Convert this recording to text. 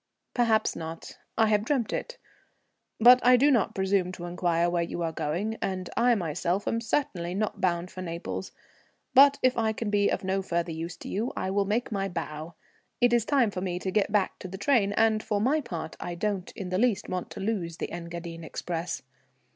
"Perhaps not. I have dreamt it. But I do not presume to inquire where you are going, and I myself am certainly not bound for Naples. But if I can be of no further use to you I will make my bow. It is time for me to get back to the train, and for my part I don't in the least want to lose the Engadine express."